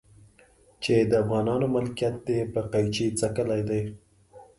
چې د افغانانو ملکيت دی په قيچي څکلي دي.